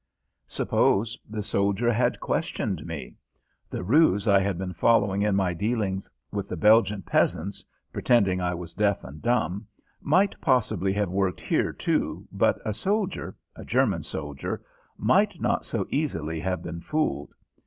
Suppose the soldier had questioned me? The ruse I had been following in my dealings with the Belgian peasants pretending I was deaf and dumb might possibly have worked here, too, but a soldier a German soldier might not so easily have been fooled.